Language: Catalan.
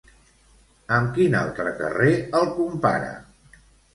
Amb quin altre carrer el compara?